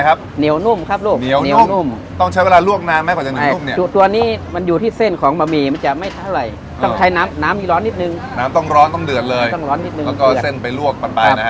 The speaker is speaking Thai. เยี่ยมเลยร้อนนิดหนึ่งแล้วก็เส้นไปลวกบินบลายนะครับครับ